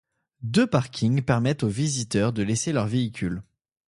Deux parkings permettent aux visiteurs de laisser leurs véhicules.